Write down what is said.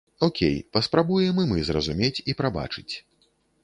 Окей, паспрабуем і мы зразумець і прабачыць.